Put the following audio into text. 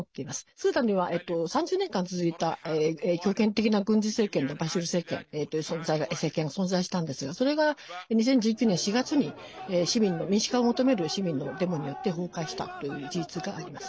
スーダンには、３０年間続いた強権的な軍事政権のバシール政権という存在したんですがそれが２０１９年４月に市民の民主化を求める市民のデモによって崩壊したっていう事実があります。